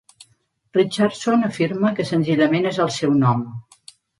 Richardson afirma que senzillament és el seu nom.